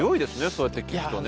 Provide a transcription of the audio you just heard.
そうやって聞くとね。